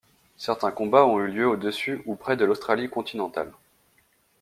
Certains combats ont eu lieu au-dessus ou près de l'Australie continentale.